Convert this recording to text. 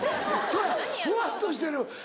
そやふわっとしてる。